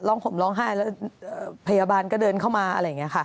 ผมร้องไห้แล้วพยาบาลก็เดินเข้ามาอะไรอย่างนี้ค่ะ